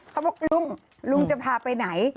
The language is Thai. เขาบอกลุงลุงจะพาไปไหน